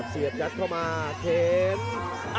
เสียบยัดเข้ามาเค้น